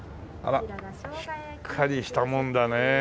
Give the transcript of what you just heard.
あらしっかりしたもんだね。